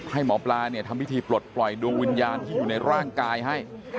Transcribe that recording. ให้หมอปลาทำพิธีปลดปล่อยดวงวิญญาณที่อยู่ในร่างกายให้